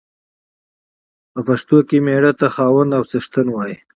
په پښتو کې مېړه ته خاوند او څښتن وايي.